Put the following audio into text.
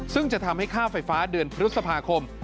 ซึ่งจะทำให้ค่าไฟฟ้าเดือนพฤษภาคม